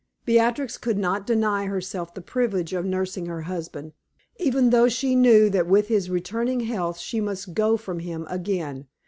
Beatrix could not deny herself the privilege of nursing her husband, even though she knew that with his returning health she must go from him again.